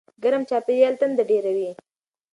ګرم چاپېریال تنده ډېروي.